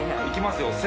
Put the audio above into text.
いきますよ。